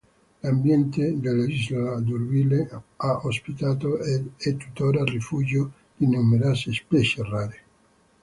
L'ambiente dell'Isola d'Urville ha ospitato ed è tuttora rifugio di numerose specie rare.